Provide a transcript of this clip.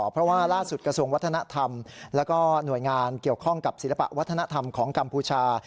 เพราะว่าล่าสุดกระทรวงวัฒนธรรมแล้วก็หน่วยงานเกี่ยวข้องกับศิลปะวัฒนธรรมของกัมพูชา